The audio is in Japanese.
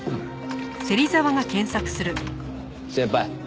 先輩